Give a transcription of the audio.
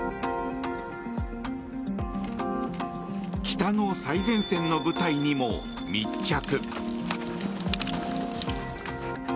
北の最前線の部隊にも密着。